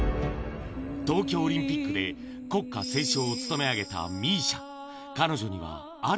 東京オリンピックで国歌斉唱を務め上げたＭＩＳＩＡ。